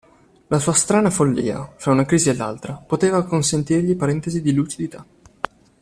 La sua strana follia, fra una crisi e l'altra, poteva consentirgli parentesi di lucidità.